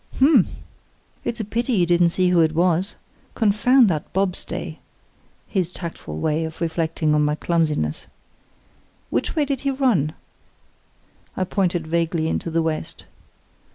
"H'm! It's a pity you didn't see who it was. Confound that bobstay!" (his tactful way of reflecting on my clumsiness); "which way did he run?" I pointed vaguely into the west.